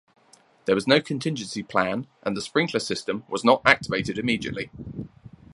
There was no contingency plan and the sprinkler system was not activated immediately.